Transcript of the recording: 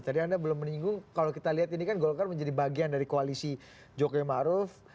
tadi anda belum menyinggung kalau kita lihat ini kan golkar menjadi bagian dari koalisi jokowi ⁇ maruf ⁇